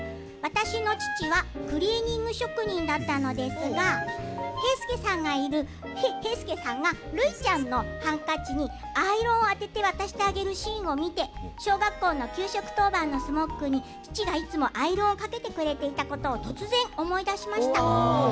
私の父はクリーニング職人だったのですが平助さんがるいちゃんのハンカチにアイロンをあてて渡してあげるシーンを見て小学校の給食当番のスモッグに父がいつもアイロンをかけてくれていたことを突然思い出しました。